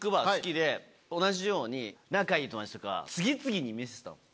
同じように仲いい友達とか次々に見せてたの。